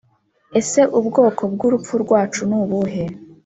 ese ubwoko bw'urupfu rwacu nubuhe,